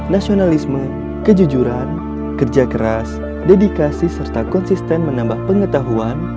nasionalisme kejujuran kerja keras dedikasi serta konsisten menambah pengetahuan